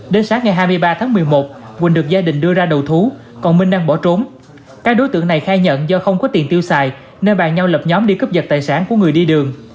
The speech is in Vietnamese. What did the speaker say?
đến sáng ngày hai mươi ba tháng một mươi một quỳnh được gia đình đưa ra đầu thú còn minh đang bỏ trốn các đối tượng này khai nhận do không có tiền tiêu xài nên bàn nhau lập nhóm đi cướp giật tài sản của người đi đường